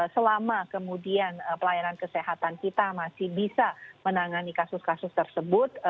selama kemudian pelayanan kesehatan kita masih bisa menangani kasus kasus tersebut